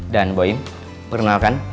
dan bu im perkenalkan